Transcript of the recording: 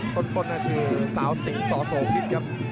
ต้นนั่นคือสาวสิงสโสพิษครับ